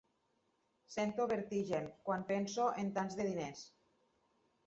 Sento vertigen, quan penso en tants de diners.